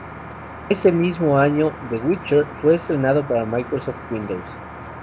Ese mismo año "The Witcher" fue estrenado para Microsoft Windows.